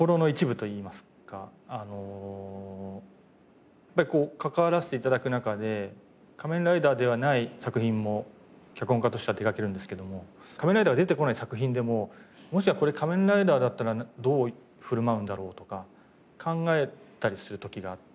あのやっぱりこう関わらせて頂く中で『仮面ライダー』ではない作品も脚本家としては手掛けるんですけども仮面ライダーが出てこない作品でも「もしこれ仮面ライダーだったらどう振る舞うんだろう？」とか考えたりする時があって。